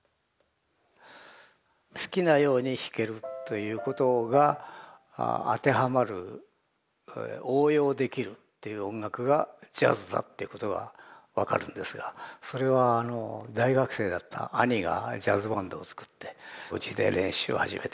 好きなように弾けるということが当てはまる応用できるっていう音楽がジャズだっていうことは分かるんですがそれは大学生だった兄がジャズバンドをつくってうちで練習を始めた。